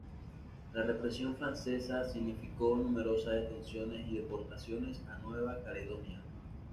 La represión francesa significó numerosas detenciones y deportaciones a Nueva Caledonia.